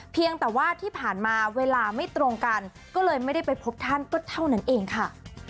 เพียงแต่ว่าที่ผ่านมาเวลาไม่ตรงกันก็เลยไม่ได้ไปพบท่านก็เท่านั้นเองค่ะ